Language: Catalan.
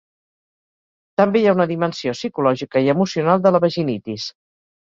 També hi ha una dimensió psicològica i emocional de la vaginitis.